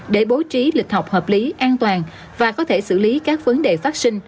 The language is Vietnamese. để bố trí lịch học hợp lý an toàn và có thể xử lý các vấn đề phát sinh